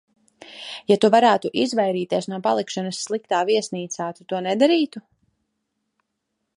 Ja tu varētu izvairīties no palikšanas sliktā viesnīcā, tu to nedarītu?